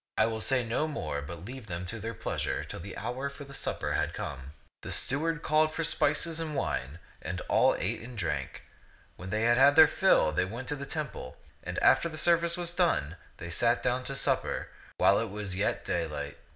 I will say no more, but leave them to their pleasure till the hour for the supper had come. The steward called for spices and wine, and all ate and drank. When they had had their fill, they went to the temple; and after the service was done, they sat down to supper, while it was yet daylight.